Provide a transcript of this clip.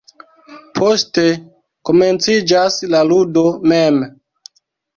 Poste komenciĝas la ludo mem.